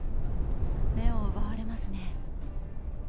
目を奪われますね。